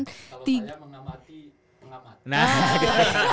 kalau saya mengamati mengamati